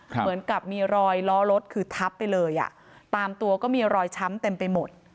เหมือนกับมีรอยล้อรถคือทับไปเลยอ่ะตามตัวก็มีรอยช้ำเต็มไปหมด